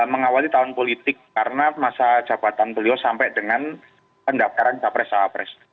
mengawali tahun politik karena masa jabatan beliau sampai dengan pendaftaran capres capres